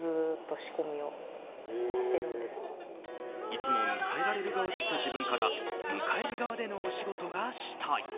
いつも迎えられる側だった自分から迎える側でのお仕事がしたい。